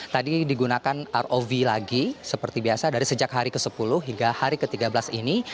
tadi digunakan rov lagi seperti biasa dari sejak hari ke sepuluh hingga hari ke tiga belas ini